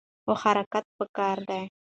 خو حرکت پکار دی.